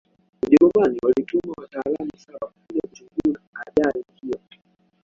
ujerumani walituma wataalamu saba kuja kuchunguza ajari hiyo